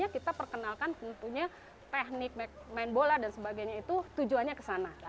kita perkenalkan tentunya teknik main bola dan sebagainya itu tujuannya ke sana